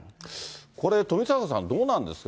これ、富坂さん、どうなんですか？